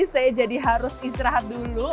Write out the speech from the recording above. saya jadi harus istirahat dulu